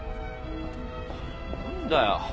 何だよ。